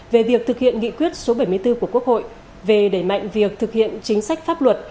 về việc thực hiện nghị quyết số bảy mươi bốn của quốc hội về đẩy mạnh việc thực hiện chính sách pháp luật